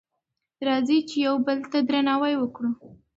راځئ چې یو بل ته درناوی وکړو.